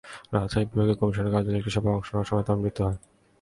রাজশাহী বিভাগীয় কমিশনারের কার্যালয়ে একটি সভায় অংশ নেওয়ার সময় তাঁর মৃত্যু হয়।